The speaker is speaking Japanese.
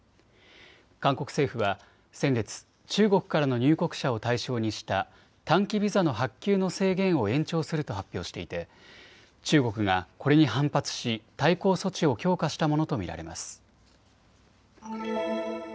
韓国政府は先月、中国からの入国者を対象にした短期ビザの発給の制限を延長すると発表していて、中国がこれに反発し、対抗措置を強化したものと見られます。